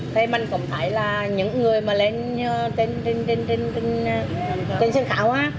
thế mình cũng thấy là những người mà lên trên sân khảo á